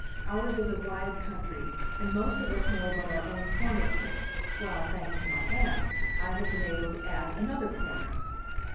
Ours is a wide country, and most of us know but our own corner of it, while, thanks to my Aunt, I have been able to add another corner.